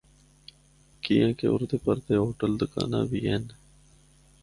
کیانکہ اُردے پردے ہوٹل دوکاناں بھی ہن۔